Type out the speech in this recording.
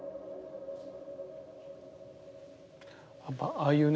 ああいうね